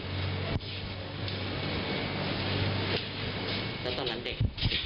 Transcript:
แล้วตอนนั้นเด็ก